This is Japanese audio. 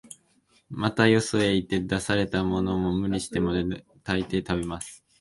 また、よそへ行って出されたものも、無理をしてまで、大抵食べます